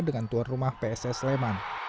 dengan tuan rumah pss sleman